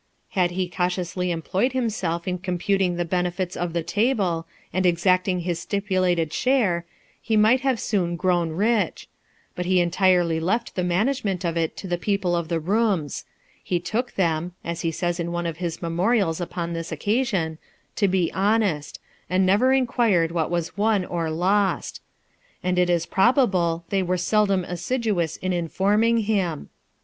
Had he cautiously employed himself in computing the benefits of the table, and exacting his stipulated share, he might have soon grown rich ; but he entirely left the management of it to the people of the rooms ; he took them (as he says in one of his memorials upon this occasion) to be honest, and never inquired what was won or lost ; and it is probable they were seldom assiduous in informing him.